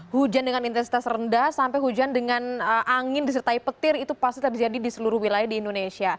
hujan dengan intensitas rendah sampai hujan dengan angin disertai petir itu pasti terjadi di seluruh wilayah di indonesia